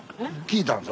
聞いたん？